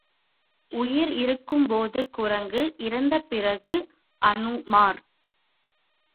உயிர் இருக்கும் போது குரங்கு இறந்த பிறகு அநுமார்.